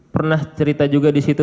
pernah cerita juga di situ